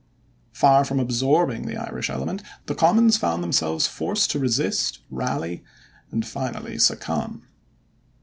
Far from absorbing the Irish element, the Commons found themselves forced to resist, rally, and finally succumb.